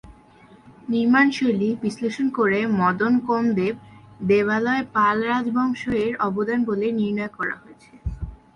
নির্মাণ শৈলী বিশ্লেষণ করে মদন কামদেব দেবালয় পাল রাজবংশ-এর অবদান বলে নির্ণয় করা হয়েছে।